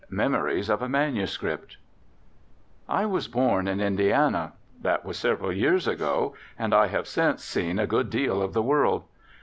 VIII MEMORIES OF A MANUSCRIPT I was born in Indiana. That was several years ago, and I have since seen a good deal of the world.